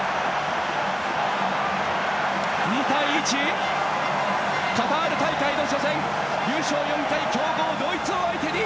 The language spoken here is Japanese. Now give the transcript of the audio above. ２対１、カタール大会の初戦優勝４回の強豪ドイツを相手に